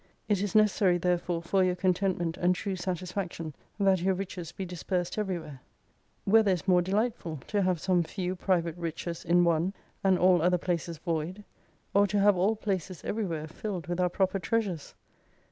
It is necessary therefore for your contentment and true satisfaction, that your riches be dispersed everywhere. Whether is more delightful ; to have some few private riches in one, and all other places void ; or to have all places everywhere filled with our proper treasures